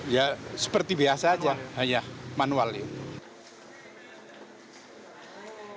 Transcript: ya seperti biasa aja hanya manual ya